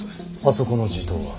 あそこの地頭は。